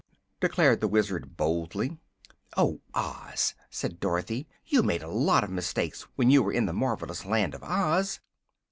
declared the Wizard, boldly. "Oh, Oz!" said Dorothy; "you made a lot of mistakes when you were in the marvelous Land of Oz."